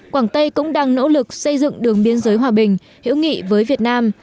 quảng tây cũng đang nỗ lực xây dựng đường biên giới hòa bình hiểu nghị với việt nam